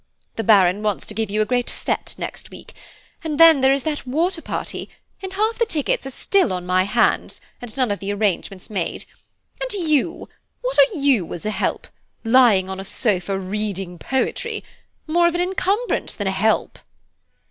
The Baron wants to give a great fête next week, and then there is that water party, and half the tickets are still on my hands, and none of the arrangements made; and you –what are you as a help? lying on a sofa reading poetry–more of an encumbrance than a help."